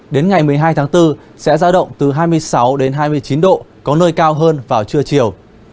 đến ngày một mươi hai tháng bốn sẽ ra động từ hai mươi sáu hai mươi chín độ có nơi cao hơn vào trưa chiều